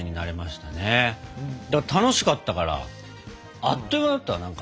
だから楽しかったからあっという間だったなんか。